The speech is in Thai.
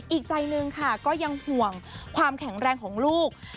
อีกใจหนึ่งค่ะก็ยังห่วงความแข็งแรงของลูก